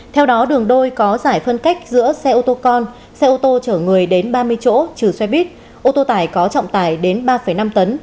theo đó đường đôi có giải phân cách giữa xe ô tô con xe ô tô chở người đến ba mươi chỗ trừ xe buýt ô tô tải có trọng tải đến ba năm tấn